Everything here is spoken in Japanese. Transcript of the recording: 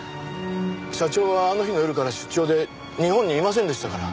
社長はあの日の夜から出張で日本にいませんでしたから。